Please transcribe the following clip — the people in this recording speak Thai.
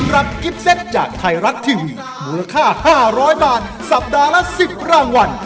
รับกิฟเซตจากไทยรัฐทีวีมูลค่า๕๐๐บาทสัปดาห์ละ๑๐รางวัล